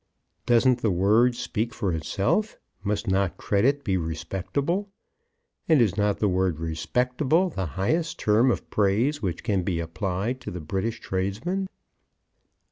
Doesn't the word speak for itself? Must not credit be respectable? And is not the word "respectable" the highest term of praise which can be applied to the British tradesman?